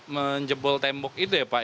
menjebol tembok itu ya pak